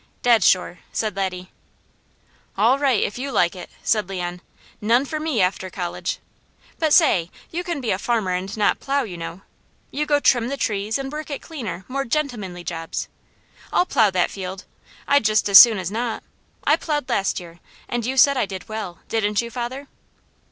"Dead sure!" said Laddie. "All right, if you like it!" said Leon. "None for me after college! But say, you can be a farmer and not plow, you know. You go trim the trees, and work at cleaner, more gentlemanly jobs. I'll plow that field. I'd just as soon as not. I plowed last year and you said I did well, didn't you, father?"